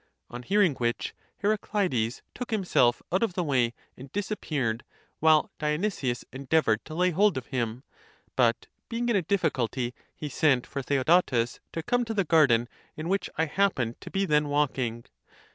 On hearing which, Heracleides took himself out of the way and disappeared, while Dionysius endeavoured to lay hold of him ; but being in a difficulty, he sent for Theodotes to come to the garden, in which I happened to be then walking.